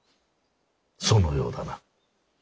そのようだな。